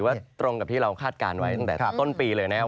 ว่าตรงกับที่เราคาดการณ์ไว้ตั้งแต่ต้นปีเลยนะครับ